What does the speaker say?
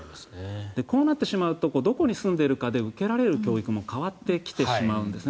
こうなってしまうとどこに住んでいるかで受けられる教育も変わってきてしまうんですね。